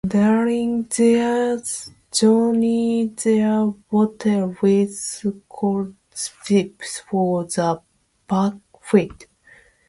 During their journey they battle with scout ships from the Pak fleet.